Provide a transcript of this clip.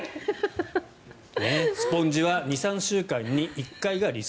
スポンジは２３週間に１回が理想。